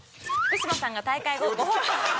福島さんが大会後。